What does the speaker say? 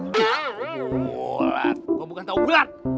bulat lo bukan tau bulat